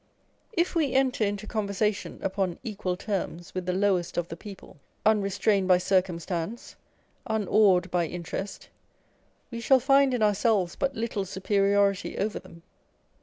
If we enter into conversation upon equal terms with the lowest of the people, unre strained by circumstance, unawed by interest, we shall find in ourselves but little superiority over them.